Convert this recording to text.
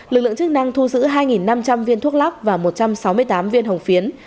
lực lượng chức năng thu giữ hai năm trăm linh viên thuốc lắc và một trăm sáu mươi tám viên hồng phiến